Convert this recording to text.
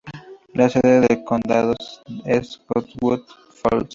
La sede de condado es Cottonwood Falls.